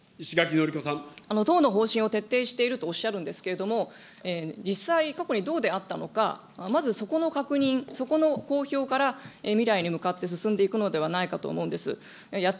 党の方針を徹底しているとおっしゃるんですけれども、実際、特にどうであったのか、まずそこの確認、そこの公表から未来に向かって進んでいくのではないかと思うんです。